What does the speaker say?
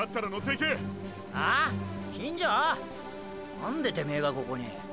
なんでてめェがここに。